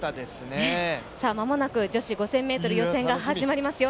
間もなく女子５０００ｍ予選が始まりますよ。